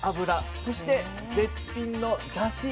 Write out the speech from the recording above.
そして絶品のだし。